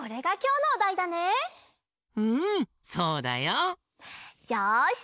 うんそうだよ。よし！